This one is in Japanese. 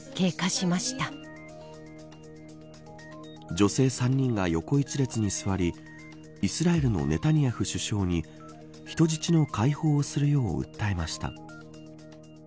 女性３人が横１列に座りイスラエルのネタニヤフ首相に人質を解放するよう訴えました。